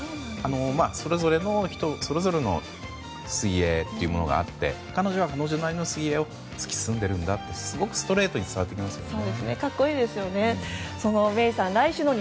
それぞれの人、それぞれの水泳というものがあって彼女は彼女なりの水泳を突き進んでいるんだとすごくストレートに伝わってきますよね。